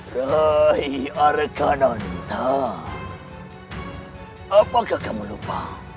raih arkananita apakah kamu lupa